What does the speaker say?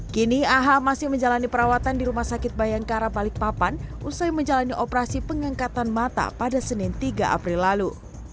kini aha masih menjalani perawatan di rumah sakit bayangkara balikpapan usai menjalani operasi pengangkatan mata pada senin tiga april lalu